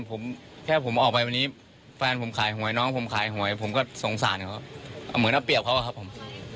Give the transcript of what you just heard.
ผมแค่ผมออกไปวันนี้แฟนผมขายหวยน้องผมขายหวยผมก็สงสารเขาเหมือนเอาเปรียบเขาอะครับผม